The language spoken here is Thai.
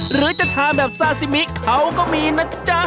หรือจะทานแบบซาซิมิเขาก็มีนะจ๊ะ